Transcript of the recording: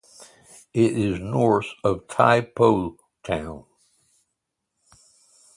It is north of Tai Po Town.